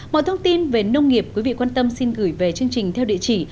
mọi thông tin về nông nghiệp quý vị quan tâm xin gửi về chương trình theo địa chỉ